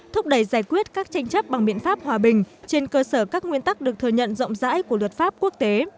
thúc đẩy giải quyết các tranh chấp bằng biện pháp hòa bình trên cơ sở các nguyên tắc được thừa nhận rộng rãi của luật pháp quốc tế